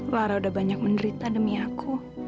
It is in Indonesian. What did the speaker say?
warah udah banyak menderita demi aku